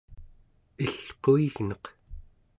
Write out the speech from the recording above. ilquigneq